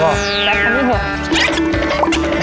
แซ็คตรงนี้เถอะ